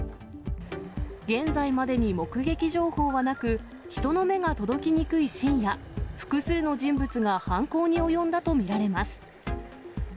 現在までに目撃情報はなく、人の目が届きにくい深夜、複数の人物が犯行に及んだと見られます。